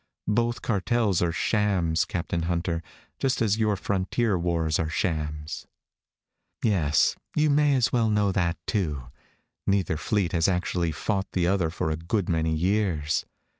Both cartels are shams, Captain Hunter, just as your frontier wars are shams. "Yes, you may as well know that, too. Neither fleet has actually fought the other for a good many years.